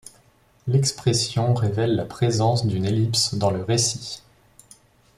L'expression révèle la présence d'une ellipse dans le récit.